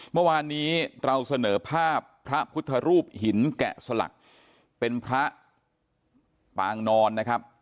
เมื่อวานนี้เราเสนอภาพพระพุทธรูปหินแกะสลักเป็นพระปางนอนนะครับ